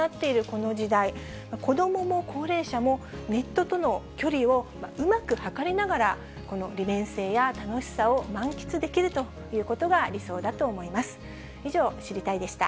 この時代、子どもも高齢者も、ネットとの距離をうまく測りながら、この利便性や楽しさを満喫できるということが理想だと思います。